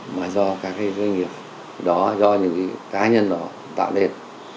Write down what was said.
mà do các cái doanh nghiệp đó do những cá nhân đó tạo nên